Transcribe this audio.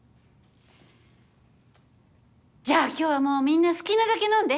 じゃあ今日はもうみんな好きなだけ飲んで。